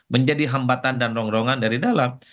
menjadi hambatan dan rongrongan dari dalam